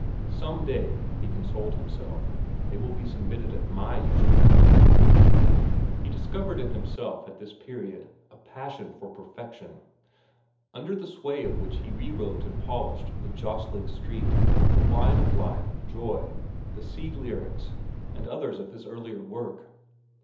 Some day, he consoled himself, they will be submitted at my usual rate. He discovered in himself, at this period, a passion for perfection, under the sway of which he rewrote and polished "The Jostling Street," "The Wine of Life," "Joy," the "Sea Lyrics," and others of his earlier work.